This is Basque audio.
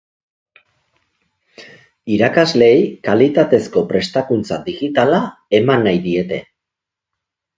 Irakasleei kalitatezko prestakuntza digitala eman nahi diete.